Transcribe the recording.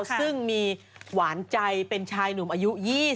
ซึ่งมีหวานใจเป็นชายหนุ่มอายุ๒๐